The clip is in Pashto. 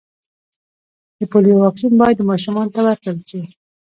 د پولیو واکسین باید و ماشومانو ته ورکړل سي.